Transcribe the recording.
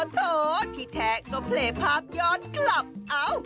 โถที่แท้ก็เพลย์ภาพย้อนกลับเอ้า